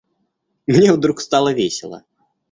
Мне вдруг стало весело!